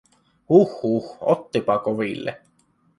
Huh, huh, ottipa koville.